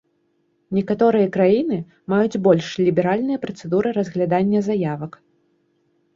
Некаторыя краіны маюць больш ліберальныя працэдуры разглядання заявак.